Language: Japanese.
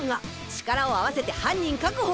力を合わせて犯人確保！？